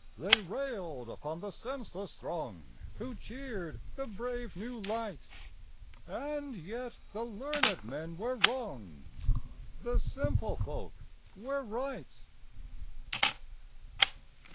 They railed upon the senseless throng Who cheered the brave new light. And yet the learned men were wrong, The simple folk were right.